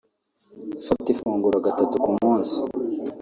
Fata ifunguro gatatu ku munsi